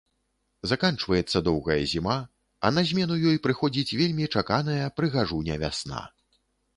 Заканчваецца доўгая зіма, а на змену ёй прыходзіць вельмі чаканая прыгажуня-вясна.